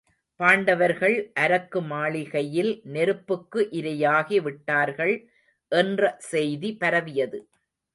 பாண்டவர்கள் அரக்கு மாளிகையில் நெருப்புக்கு இரையாகி விட்டார்கள் என்ற செய்தி பரவியது.